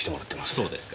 そうですか。